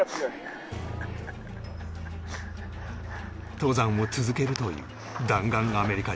登山を続けるという弾丸アメリカ人